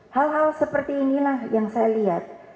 hal hal seperti inilah yang saya lihat